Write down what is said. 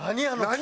何？